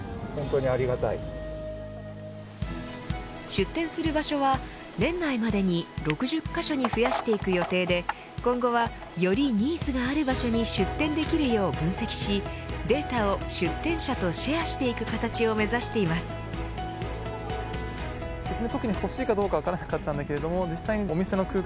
出店する場所は年内までに６０カ所に増やしていく予定で今後は、よりニーズがある場所に出店できるよう分析しデータを出店者とシェアしていく形を目指しています。